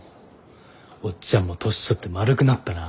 オッチャンも年取って丸くなったな。